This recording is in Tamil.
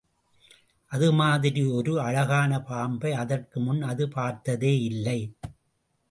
அது மாதிரி ஓர் அழகான பாம்பை அதற்கு முன் அது பார்த்ததே இல்லை.